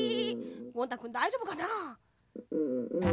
ゴン太くんだいじょうぶかな？